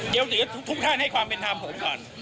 เดี๋ยวทุกท่านให้ความเป็นธรรมผมก่อน